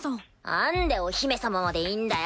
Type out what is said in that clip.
なんでお姫様までいんだよ？